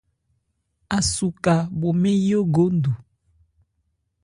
Asuka bho mɛn yíógondu.